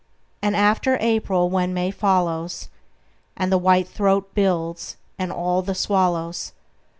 And after April, when May follows, And the whitethroat builds, and all the swallows!